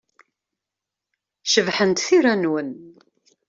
Cebḥent tira-nwen.